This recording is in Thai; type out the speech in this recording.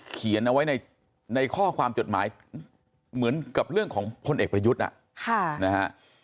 เขียนเอาไว้ในข้อความจดหมายเหมือนกับเรื่องของพลเอกประยุทธ์นะฮะ